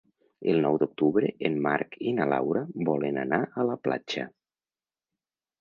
El nou d'octubre en Marc i na Laura volen anar a la platja.